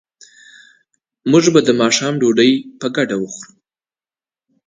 موږ به د ماښام ډوډۍ په ګډه وخورو